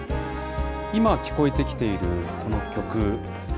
今、聴こえてきているこの曲。